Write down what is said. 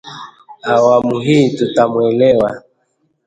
Awamu hii tutamwelewa